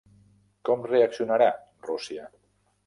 Com reaccionarà Rússia?